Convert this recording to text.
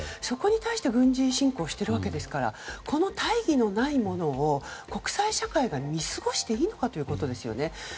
そこに対して軍事侵攻しているわけですからこの大義のないものを国際社会が見過ごしていいのかということですね。